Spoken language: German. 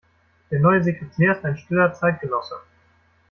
Der neue Sekretär ist ein stiller Zeitgenosse.